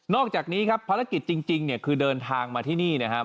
อกจากนี้ครับภารกิจจริงเนี่ยคือเดินทางมาที่นี่นะครับ